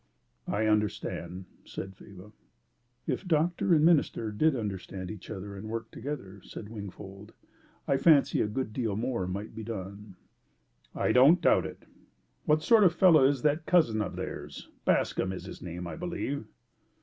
"I understand," said Faber. "If doctor and minister did understand each other and work together," said Wingfold, "I fancy a good deal more might be done." "I don't doubt it. What sort of fellow is that cousin of theirs Bascombe is his name, I believe?"